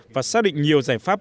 và xác định nhiều giải pháp